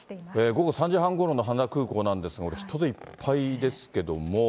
午後３時半ごろの羽田空港なんですが、これ、人でいっぱいですけども。